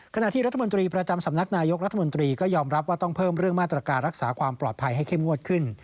ขณะที่รัฐมนตรีประจำสำนักนายกรัฐมนตรีก็ยอมรับว่าต้องเพิ่มเรื่องมาตรการรักษาความปลอดภัยให้เข้มงวดขึ้น